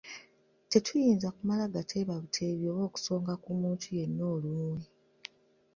Tetuyinza kumala gateeba buteebi oba okusonga ku muntu yenna olunwe.